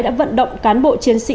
đã vận động cán bộ chiến sĩ